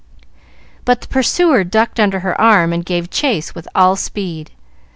But the pursuer ducked under her arm and gave chase with all speed.